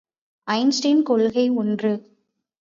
Einstein கொள்கை ஒன்று.